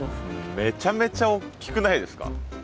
めちゃめちゃおっきくないですか？